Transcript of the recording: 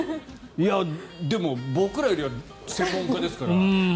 でも僕らよりは専門家ですから。